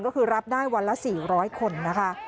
ก็คือรับได้วันละ๔๐๐คนนะคะ